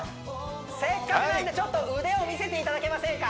せっかくなんではいちょっと腕を見せていただけませんか？